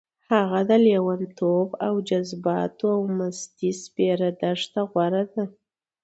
هغه د لېونتوب او جذباتو او مستۍ سپېره دښته غوره ده.